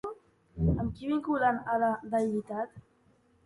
Amb qui vinculen a la deïtat?